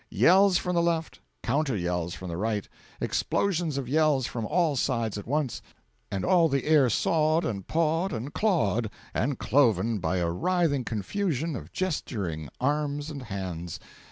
Yells from the Left, counter yells from the Right, explosions of yells from all sides at once, and all the air sawed and pawed and clawed and cloven by a writhing confusion of gesturing arms and hands.